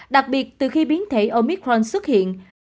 đặc biệt từ khi biến thể omicron xuất hiện